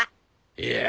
いや。